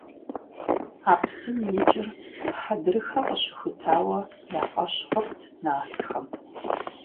А псым икӀыр Хьэдрыхэ къыщыхутауэ я фӀэщ хъурт нартхэм.